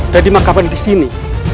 dan dimakamkan disini